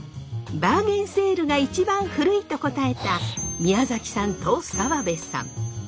バーゲンセールが一番古いと答えた宮崎さんと澤部さん。